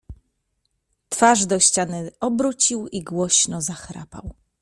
Twarz do ściany obrócił i głośno zachrapał.